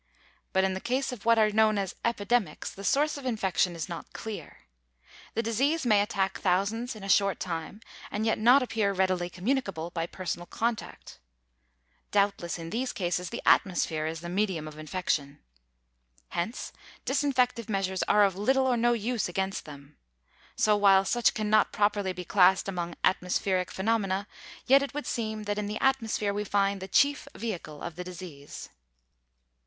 But in the case of what are known as epidemics, the source of infection is not clear. The disease may attack thousands in a short time, and yet not appear readily communicable by personal contact. Doubtless in these cases the atmosphere is the medium of infection. Hence, disinfective measures are of little or no use against them. So while such can not properly be classed among atmospheric phenomena, yet it would seem that in the atmosphere we find the chief vehicle of the disease.